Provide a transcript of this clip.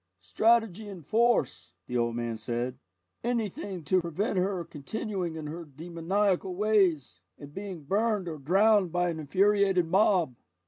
"Strategy and force," the old man said, "anything to prevent her continuing in her demoniacal ways, and being burned or drowned by an infuriated mob."